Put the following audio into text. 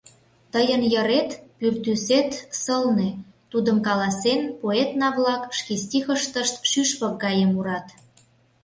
Тыйын йырет пӱртӱсет сылне, тудым каласен, поэтна-влак шке стихыштышт шӱшпык гае мурат.